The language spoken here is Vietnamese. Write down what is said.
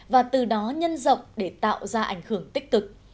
và từ đó nhân rộng để tạo ra ảnh hưởng tích cực